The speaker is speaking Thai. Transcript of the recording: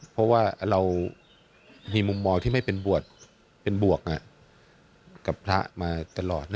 เพราะว่าเรามีมุมมองที่ไม่เป็นบวชเป็นบวกกับพระมาตลอด